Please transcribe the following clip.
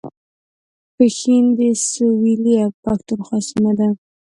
پښین د سویلي پښتونخوا سیمه ده